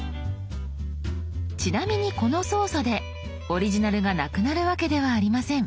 ちなみにこの操作でオリジナルがなくなるわけではありません。